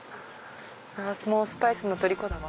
もうスパイスのとりこだわ。